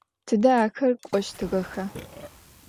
Tıde axer k'oştığexa?